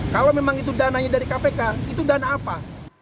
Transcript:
kalau memang itu dananya dari kpk itu dana apa